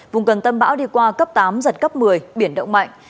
vùng gần tâm bão đi qua cấp tám giật cấp một mươi biển động mạnh